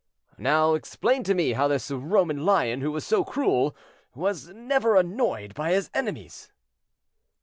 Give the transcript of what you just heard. "Now explain to me how this Roman lion, who was so cruel, was never annoyed by his enemies."